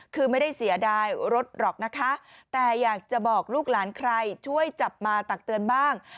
คือไม่ได้เสียดายรถหรอกนะคะแต่อยากจะบอกลูกหลานใครช่วยจับมาตักเตือนบ้าง